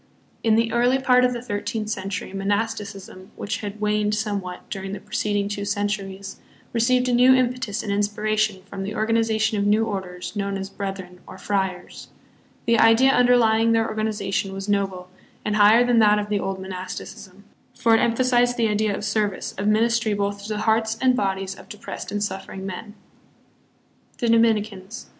In the early part of the thirteenth century monasti cism, which had waned somewhat during the preceding two centuries, received a new impetus and inspiration from the organization of new orders known as brethren or " friars." The idea underlying their organization was noble, and higher than that of the old monasticism ; for it emphasized the idea of service, of ministry both to the hearts and bodies of depressed and suffering men. The Dominicans.